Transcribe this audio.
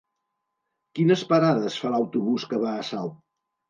Quines parades fa l'autobús que va a Salt?